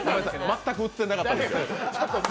全く映ってなかったです。